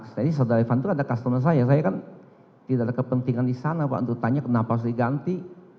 jadi saudarifan itu ada customer saya saya kan tidak ada kepentingan di sana untuk tanya kenapa harus diganti